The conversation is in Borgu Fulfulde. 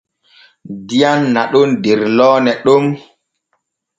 Diyam naɗon der loone ɗon.